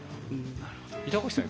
板垣さん